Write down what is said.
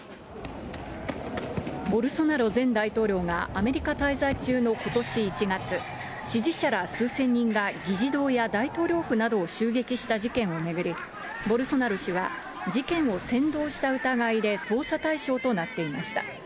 ボルソナロ前大統領がアメリカ滞在中のことし１月、支持者ら数千人が議事堂や大統領府などを襲撃した事件を巡り、ボルソナロ氏は事件を扇動した疑いで捜査対象となっていました。